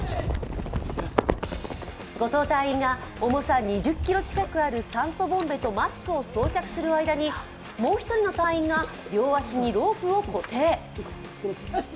後藤隊員が重さ２０ｋｇ近くある酸素ボンベとマスクを装着する間にもう一人の隊員が両足にロープを固定。